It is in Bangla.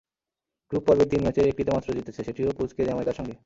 গ্রুপ পর্বে তিন ম্যাচের একটিতে মাত্র জিতেছে, সেটিও পুঁচকে জ্যামাইকার সঙ্গে।